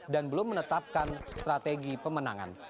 dan belum menetapkan strategi pemenangan